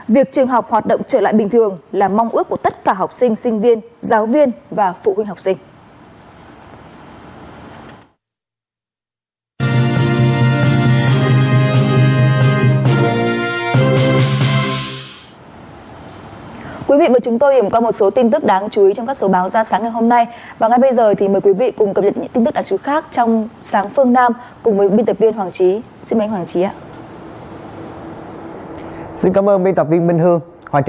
việc trường học hoạt động trở lại bình thường là mong ước của tất cả học sinh sinh viên giáo viên và phụ huynh học sinh